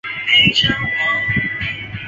革叶蒲儿根为菊科蒲儿根属下的一个种。